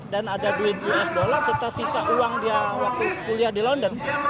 dan ada duit us dollar serta sisa uang dia waktu kuliah di london